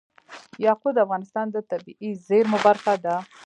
یاقوت د افغانستان د طبیعي زیرمو برخه ده.